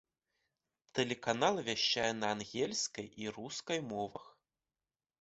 Тэлеканал вяшчае на ангельскай і рускай мовах.